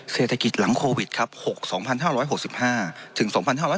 เศรษฐกิจหลังโควิดครับ๒๕๖๕ถึง๒๕๖๒